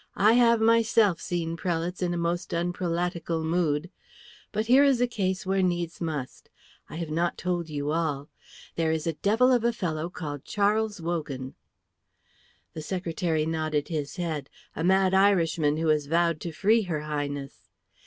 I have myself seen prelates in a most unprelatical mood. But here is a case where needs must. I have not told you all. There is a devil of a fellow called Charles Wogan." The secretary nodded his head. "A mad Irishman who has vowed to free her Highness."